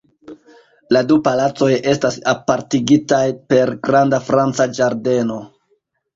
La du palacoj estas apartigitaj per granda franca ĝardeno.